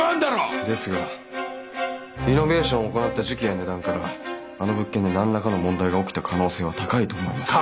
ですがリノベーションを行った時期や値段からあの物件で何らかの問題が起きた可能性は高いと思います。